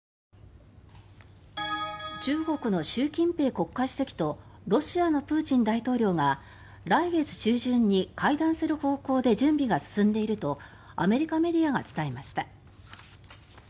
中国の習近平国家主席とロシアのプーチン大統領が来月中旬に会談する方向で準備が進んでいるとアメリカメディアが伝えました。